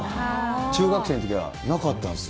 中学生のときはなかったんですよ。